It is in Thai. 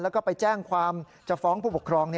แล้วก็ไปแจ้งความจะฟ้องผู้ปกครอง